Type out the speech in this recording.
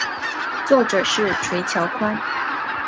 作者是椎桥宽。